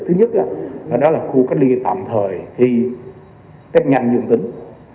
thứ nhất đó là khu cách ly tạm thời khi tết nhanh dương tính